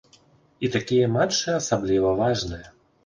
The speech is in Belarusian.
І такія матчы асабліва важныя.